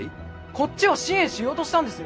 こっちは支援しようとしたんですよ。